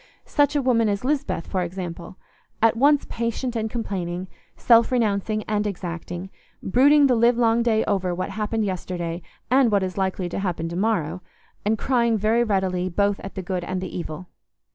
Such a woman as Lisbeth, for example—at once patient and complaining, self renouncing and exacting, brooding the livelong day over what happened yesterday and what is likely to happen to morrow, and crying very readily both at the good and the evil.